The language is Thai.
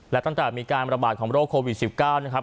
และตั้งแต่มีการประบาดของโรคโควิด๑๙นะครับ